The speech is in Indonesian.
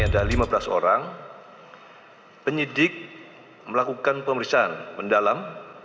ada lima belas orang penyidik melakukan pemeriksaan mendalam